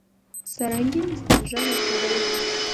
سارنګۍ نسته ږغ یې پردی دی